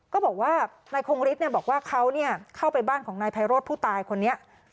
ก็บอกว่านายคงฤทธิ์บอกว่าเขาเข้าไปบ้านของนายไพโรธผู้ตายคนนี้